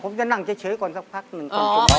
ผมจะนั่งเฉยก่อนสักพักหนึ่งก่อน